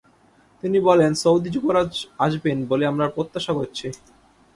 তিনি বলেন, সৌদি যুবরাজ আসবেন বলে আমরা প্রত্যাশা করছি।